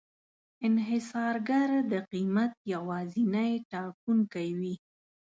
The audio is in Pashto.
انحصارګر د قیمت یوازینی ټاکونکی وي.